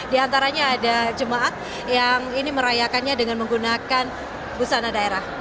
di antaranya ada jemaat yang ini merayakannya dengan menggunakan busana daerah